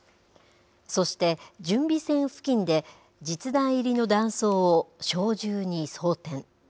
そして、準備線付近で実弾入りの弾倉を小銃に装填。